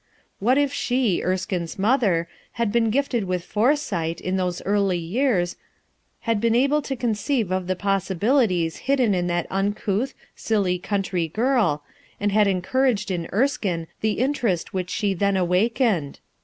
What if she, Erskine's mother, had been gifted with foresight, in those early years, had been able to conceive of the possibilities hidden in that uncouth, silly country girl, and had encouraged in Erskine the interest which she then awak ened?